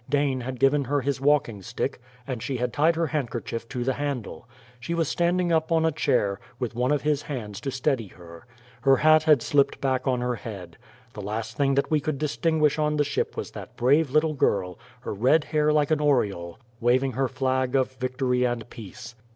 Dane had given her his walking stick, and she had tied her handkerchief to the handle. She was standing up on a chair, with one of his hands to steady her. Her hat had slipped back on her head. The last thing that we could distinguish on the ship was that brave little girl, her red hair like an aureole, waving her flag of victory and peace.